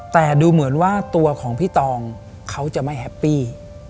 แต่ดูเหมือนว่าตัวของพี่ตองเขาจะไม่แฮปปี้